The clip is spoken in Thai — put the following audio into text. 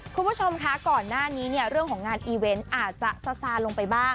คุณผู้ชมคะก่อนหน้านี้เนี่ยเรื่องของงานอีเวนต์อาจจะซาซาลงไปบ้าง